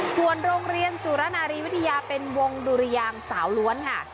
ส่วนโรงเรียนสุรนารีวิทยาเป็นวงดุรยางสาวล้วนค่ะ